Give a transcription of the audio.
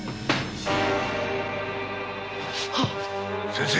先生！